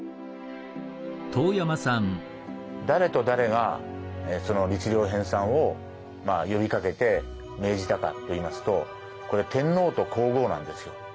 誰と誰がその律令編さんを呼びかけて命じたかと言いますとこれ天皇と皇后なんですよ。